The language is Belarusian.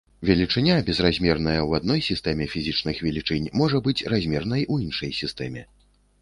Велічыня, безразмерная ў адной сістэме фізічных велічынь, можа быць размернай у іншай сістэме.